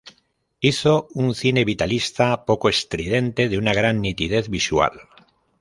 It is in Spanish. Hizo un cine "vitalista, poco estridente, de una gran nitidez visual".